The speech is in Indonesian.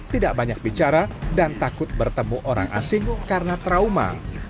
tidak banyak bicara dan takut bertemu orang asing karena trauma